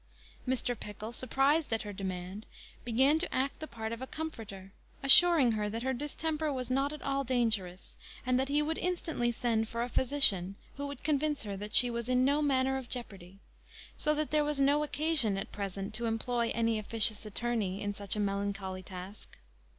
Mr. Pickle, surprised at her demand, began to act the part of a comforter, assuring her that her distemper was not at all dangerous, and that he would instantly send for a physician, who would convince her that she was in no manner of jeopardy; so that there was no occasion at present to employ any officious attorney in such a melancholy task.